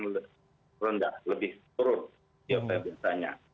lebih rendah lebih turun setiap hari biasanya